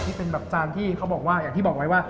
ที่เป็นแบบจานที่เขาบอกว่าอย่างที่บอกไว้ว่า